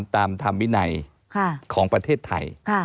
ตามธรรมวินัยของประเทศไทย